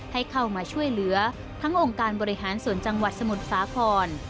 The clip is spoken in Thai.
ให้เข้ามาช่วยเหลือทั้งองค์การบริหารส่วนจังหวัดสมุทรสาคร